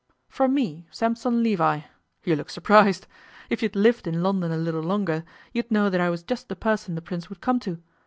'From me, Sampson Levi. You look surprised. If you'd lived in London a little longer, you'd know that I was just the person the Prince would come to.